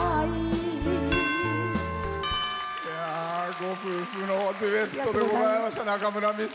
ご夫婦のデュエットでございました。